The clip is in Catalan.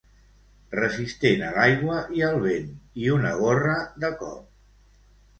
Resistent a l'aigua i al vent, i una gorra de cop.